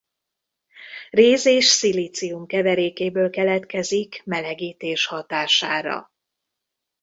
Réz és szilícium keverékéből keletkezik melegítés hatására.